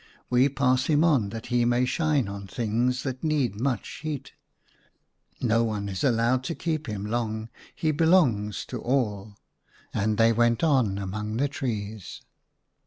We pass him on that he may shine on things that need much heat. No one is allowed to keep him long, he belongs to all "; and they went on among the trees.